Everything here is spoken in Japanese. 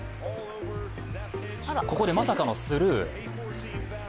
ここでまさかのスルー。